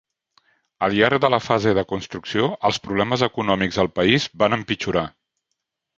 Al llarg de la fase de construcció, els problemes econòmics al país van empitjorar.